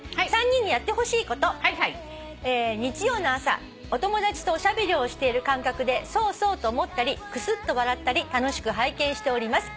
「３人にやってほしいこと」「日曜の朝お友達とおしゃべりをしている感覚でそうそう！と思ったりクスッと笑ったり楽しく拝見しております」